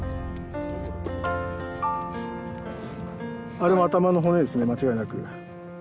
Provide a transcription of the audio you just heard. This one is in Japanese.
あれは頭の骨ですね間違いなく。